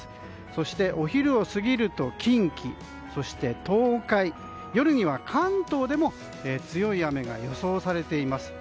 そしてお昼を過ぎると近畿、そして東海夜には関東でも強い雨が予想されています。